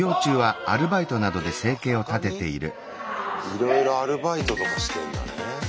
いろいろアルバイトとかしてんだね。